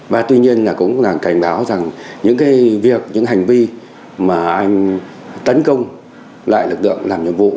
và tuy nhiên là cũng là cảnh báo rằng những việc những hành vi mà anh tấn công lại lực lượng làm nhiệm vụ